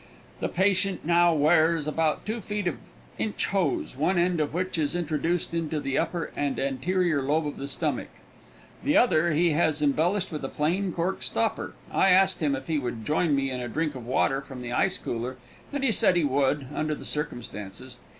The patient now wears about two feet of inch hose, one end of which is introduced into the upper and anterior lobe of the stomach. The other he has embellished with a plain cork stopper. I asked him if he would join me in a drink of water from the ice cooler, and he said he would, under the circumstances.